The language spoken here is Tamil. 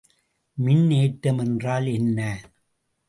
மின்னேற்றம் என்றால் என்ன?